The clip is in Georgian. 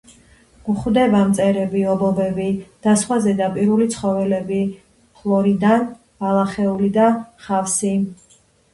გვხვდება მწერები, ობობები და სხვა ზედაპირული ცხოველები, ფლორიდან ბალახეული და ხავსი.